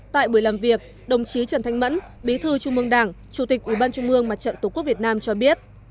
tại buổi làm việc đồng chí trần thanh mẫn bí thư trung mương đảng chủ tịch ủy ban trung mương mặt trận tổ quốc việt nam cho biết